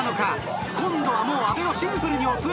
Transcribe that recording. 今度はもう阿部をシンプルに押す！